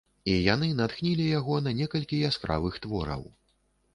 І яны натхнілі яго на некалькі яскравых твораў.